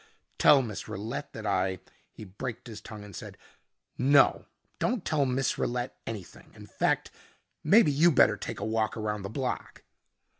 "Tell Miss Rillette that I " He braked his tongue and said, "No don't tell Miss Rillette anything. In fact maybe you better take a walk around the block."